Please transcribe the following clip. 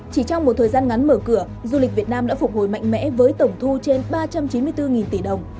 chỉ trong một thời gian ngắn mở cửa du lịch việt nam đã phục hồi mạnh mẽ với tổng thu trên ba trăm chín mươi bốn tỷ đồng